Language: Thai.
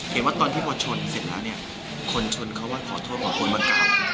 เห็นว่าตอนที่พวกชนเสร็จแล้วเนี้ยคนชนเขาว่าขอโทษขอโทษ